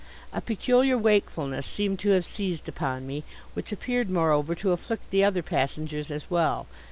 A peculiar wakefulness seemed to have seized upon me, which appeared, moreover, to afflict the other passengers as well.